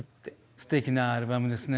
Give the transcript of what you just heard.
すてきなアルバムですね。